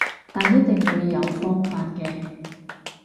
但一定會有方法嘅